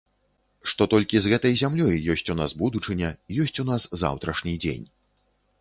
Што толькі з гэтай зямлёй ёсць у нас будучыня, ёсць у нас заўтрашні дзень.